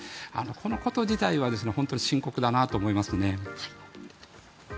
このこと自体が本当に深刻だなと思いますね。